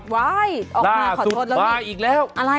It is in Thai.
ว้ายออกมาขอโทษแล้วนี่อะไรน่ะหน้าสุดมาอีกแล้ว